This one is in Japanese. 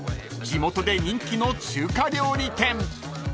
地元で人気の中華料理店］